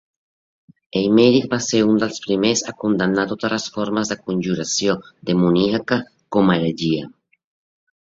Eymerich va ser un dels primers a condemnar totes les formes de conjuració demoníaca com a heretgia.